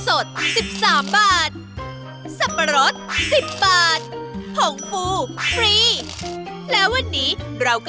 โอ้โหโอ้โห